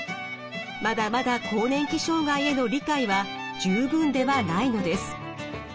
まだまだ更年期障害への理解は十分ではないのです。